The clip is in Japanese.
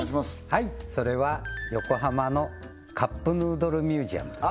はいそれは横浜のカップヌードルミュージアムです